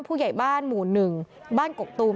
ผู้ใหญ่บ้านหมู่๑บ้านกกตูม